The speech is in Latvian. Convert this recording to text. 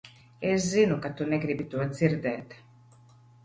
Es zinu, ka tu negribi to dzirdēt.